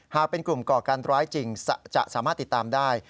หากเป็นกลุ่มก่อการร้ายจริงจะสามารถติดตามได้